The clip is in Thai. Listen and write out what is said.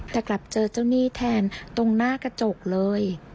แต่กลับเจอเจ้าหนี้แทนตรงหน้ากระจกเลย